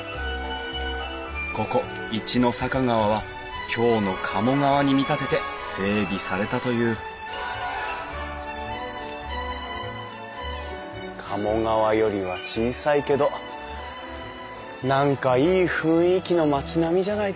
ここ一の坂川は京の鴨川に見立てて整備されたという鴨川よりは小さいけど何かいい雰囲気の町並みじゃないですか。